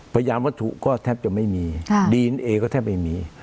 พยายามวัตถุก็แทบจะไม่มีดีเอนเอก็แทบไม่มี